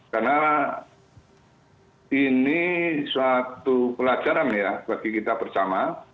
karena ini suatu pelajaran ya bagi kita bersama